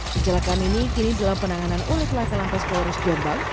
kecelakaan ini kini dalam penanganan oleh kelakaran peskularis jombang